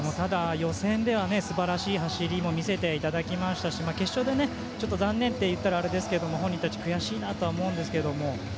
予選では素晴らしい走りも見せていただきましたし決勝でちょっと残念と言ったらあれですけど本人たち、悔しいなとは思うんですけども。